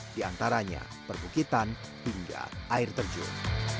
diantaranya perbukitan hingga air terjun